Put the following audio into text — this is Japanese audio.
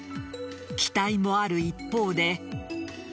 期待もある一方で。